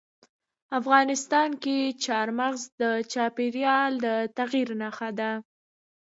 افغانستان کې چار مغز د چاپېریال د تغیر نښه ده.